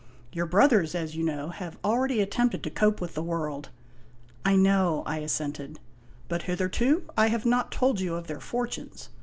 Your brothers, as you know, have already attempted to cope with the world." " I know," I assented. " But hitherto I have not told you of their fortunes.